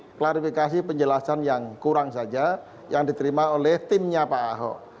nah itu tadi klarifikasi penjelasan yang kurang saja yang diterima oleh timnya pak ahok